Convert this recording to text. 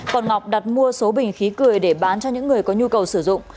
còn ngọc đặt mua số bình khí cười để bán cho những người có nhu cầu sử dụng